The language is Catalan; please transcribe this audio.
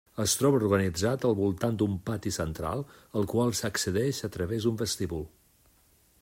Es troba organitzat al voltant d'un pati central, al qual s'accedeix a través d'un vestíbul.